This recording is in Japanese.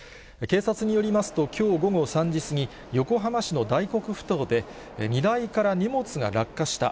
警察によりますと、きょう午後３時過ぎ、横浜市の大黒ふ頭で、荷台から荷物が落下した。